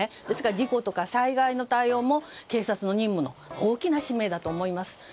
ですから事故や災害の対応も警察の任務の大きな使命だと思います。